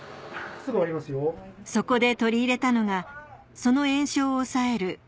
そこで取り入れたのがその炎症を抑えるＯＫ！